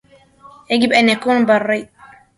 يجب ان يكون بريْ